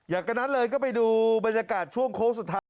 อย่างนั้นเลยก็ไปดูบรรยากาศช่วงโค้งสุดท้าย